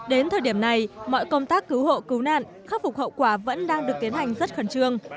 đến thời điểm này mọi công tác cứu hộ cứu nạn khắc phục hậu quả vẫn đang được tiến hành rất khẩn trương